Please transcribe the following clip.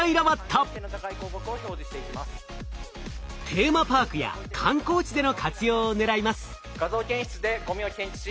テーマパークや観光地での活用をねらいます。